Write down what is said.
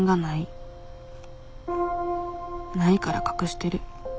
ないから隠してる。